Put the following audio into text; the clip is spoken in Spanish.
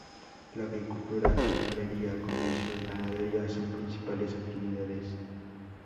La agricultura, alfarería, comercio y ganadería son principales actividades.